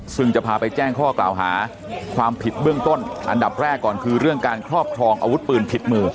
ซึ่งจะพาไปแจ้งข้อกล่าวหาความผิดเบื้องต้นอันดับแรกก่อนคือเรื่องการครอบครองอาวุธปืนผิดมือ